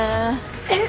えっ！？